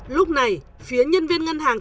lúc này phía nhân viên ngân hàng